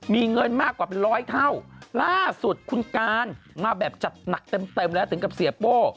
มีเงินมากกว่า๑๐๐เท่าล่าสุดคุณการมาแบบจัดหนักเต็มและถึงเสียโป้